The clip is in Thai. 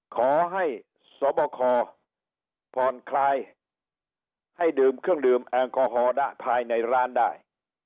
ขอให้สบคผ่อนคลายให้ดื่มเครื่องดื่มแอลกอฮอลได้ภายในร้านได้